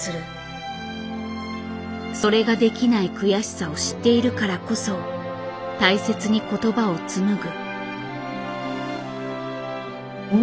それができない悔しさを知っているからこそ大切に言葉をつむぐ。